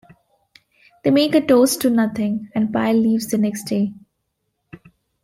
They make a toast to nothing and Pyle leaves the next day.